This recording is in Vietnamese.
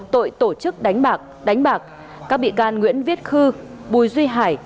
tội tổ chức đánh bạc đánh bạc các bị can nguyễn viết khư bùi duy hải